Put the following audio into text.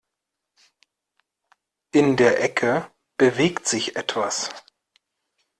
In der Ecke bewegt sich etwas.